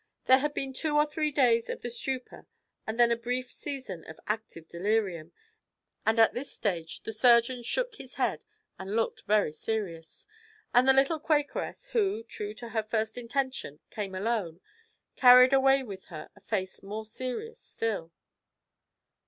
There had been two or three days of the stupor, and then a brief season of active delirium; and at this stage the surgeon shook his head and looked very serious; and the little Quakeress, who, true to her first intention, came alone, carried away with her a face more serious still.